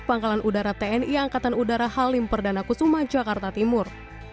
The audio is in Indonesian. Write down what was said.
pangkalan udara tni angkatan udara halim perdana kusuma jakarta timur